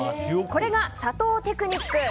これが佐藤テクニック。